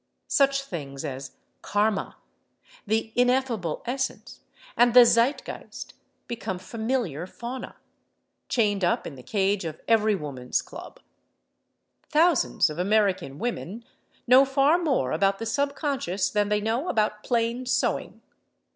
Such things as Karma, the Ineffable Essence and the Zeitgeist become familiar fauna, chained up in the cage of every woman's club. Thousands of American women know far more about the Subconscious than they know about plain sewing.